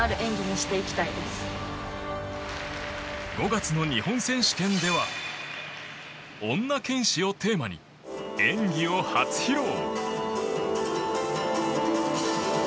５月の日本選手権では「女剣士」をテーマに演技を初披露。